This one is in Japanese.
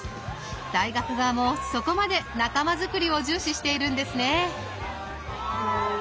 大学側もそこまで仲間づくりを重視しているんですね。